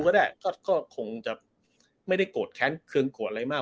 ก็ได้ก็คงจะไม่ได้โกรธแค้นเครื่องโกรธอะไรมาก